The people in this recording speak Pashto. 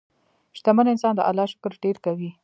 شتمن انسان د الله شکر ډېر کوي.